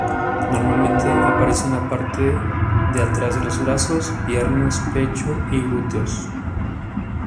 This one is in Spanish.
Normalmente aparece en la parte de atrás de los brazos, piernas, pecho y glúteos.